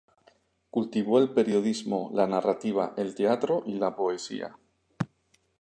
Cultivó el periodismo, la narrativa, el teatro y la poesía.